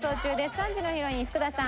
３時のヒロイン福田さん